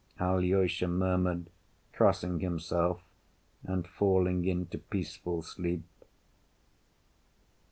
Alyosha murmured, crossing himself, and falling into peaceful sleep.